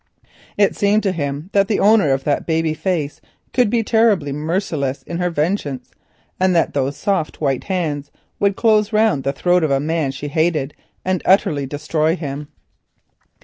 It seemed to him that the owner of that baby face could be terribly merciless in her vengeance, and that those soft white hands would close round the throat of a man she hated and utterly destroy him.